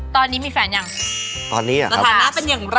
ตอนนี้มีแฟนหรือยัง